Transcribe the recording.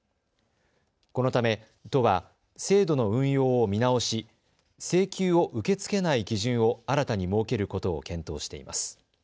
このため都は制度の運用を見直し、請求を受け付けない基準を新たに設けることを検討しています。